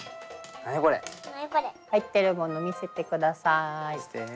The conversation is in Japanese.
入ってるもの見せてください。